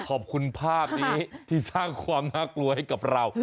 ขอบคุณภาพนี้ที่สร้างความน่ากลัวให้กับเรา